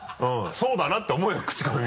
そうだなって思うよクチコミ